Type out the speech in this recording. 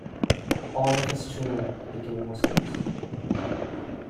All of his children became Muslims.